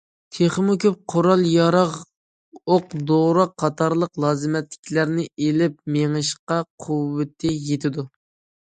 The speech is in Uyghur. تېخىمۇ كۆپ قورال- ياراغ، ئوق- دورا قاتارلىق لازىمەتلىكلەرنى ئېلىپ مېڭىشقا قۇۋۋىتى يېتىدۇ.